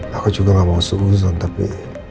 saya juga tidak mau seuzon tapi